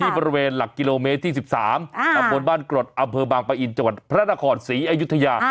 บริเวณหลักกิโลเมตรที่๑๓ตำบลบ้านกรดอำเภอบางปะอินจังหวัดพระนครศรีอยุธยา